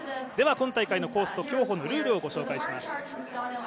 今大会のコースと競歩のルールを紹介します。